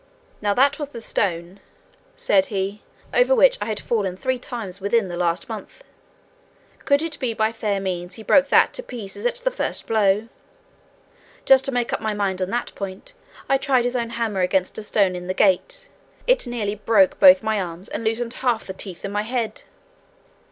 'Now that was the stone,' said he, 'over which I had fallen three times within the last month: could it be by fair means he broke that to pieces at the first blow? Just to make up my mind on that point I tried his own hammer against a stone in the gate; it nearly broke both my arms, and loosened half the teeth in my head!'